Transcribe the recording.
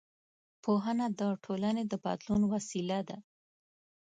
پوهنه د ټولنې د بدلون وسیله ده